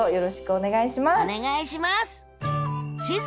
お願いします！